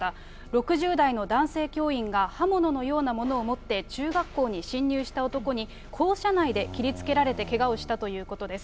６０代の男性教員が刃物のようなものを持って中学校に侵入した男に、校舎内で切りつけられてけがをしたということです。